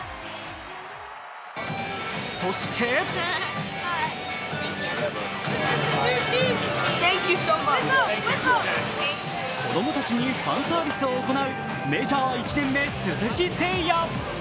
そして子供たちにファンサービスを行うメジャー１年目、鈴木誠也。